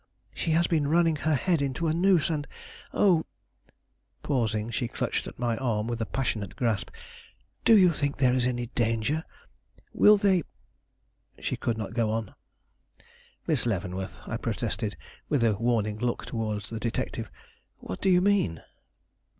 She has been running her head into a noose, and oh, " Pausing, she clutched my arm with a passionate grasp: "Do you think there is any danger? Will they " She could not go on. "Miss Leavenworth," I protested, with a warning look toward the detective, "what do you mean?"